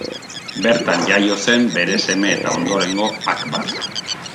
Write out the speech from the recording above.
Bertan jaio zen bere seme eta ondorengo Akbar.